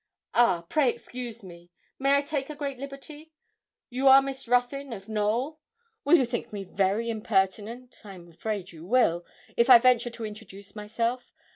'Ah, pray excuse me, may I take a great liberty? you are Miss Ruthyn, of Knowl? Will you think me very impertinent I'm afraid you will if I venture to introduce myself?